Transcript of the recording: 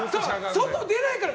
外に出ないから。